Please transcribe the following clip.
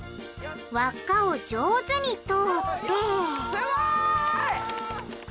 輪っかを上手に通ってすごい！